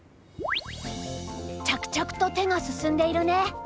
着々と手が進んでいるね。